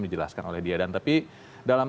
dijelaskan oleh dia dan tapi dalam